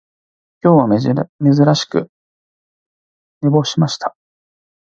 今日は珍しく寝坊しました